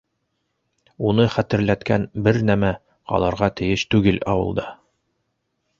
Уны хәтерләткән бер нәмә ҡалырға тейеш түгел ауылда!